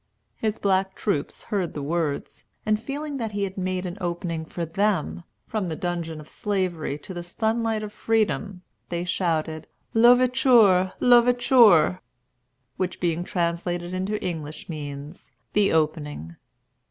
His black troops heard the words, and feeling that he had made an opening for them, from the dungeon of Slavery to the sunlight of Freedom, they shouted, "L'Ouverture," "L'Ouverture"; which, being translated into English, means The Opening.